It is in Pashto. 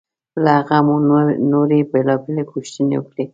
له هغه مو نورې بېلابېلې پوښتنې وکړې.